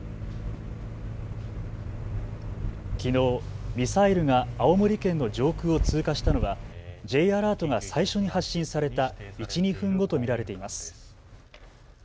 きのうミサイルが青森県の上空を通過したのはＪアラートが最初に発信された１、２分後と見られています。